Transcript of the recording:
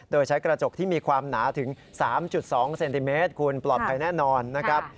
โดยใช้กระจกที่มีความหนาถึง๓๒เซนติเมตรคุณปลอดภัยแน่นอนนะครับ